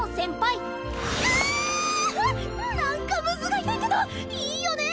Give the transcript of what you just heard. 何かむずがゆいけどいいよね